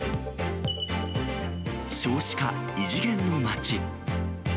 少子化、異次元の町。